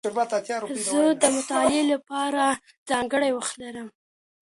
زه د مطالعې له پاره ځانګړی وخت لرم.